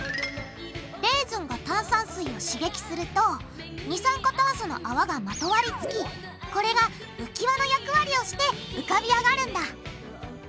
レーズンが炭酸水を刺激すると二酸化炭素のあわがまとわりつきこれが浮き輪の役割をして浮かび上がるんだ！